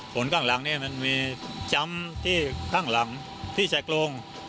ผลข้างหลังนี้มันมีจำที่ข้างหลังที่แจกลง